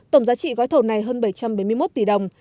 tổng giá trị gói thầu này hơn bảy trăm bảy mươi một tỷ đồng